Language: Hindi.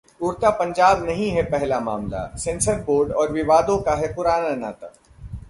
'उड़ता पंजाब' नहीं है पहला मामला, सेंसर बोर्ड और विवादों का है पुराना नाता